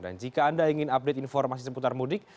dan jika anda ingin update informasi seputar mudik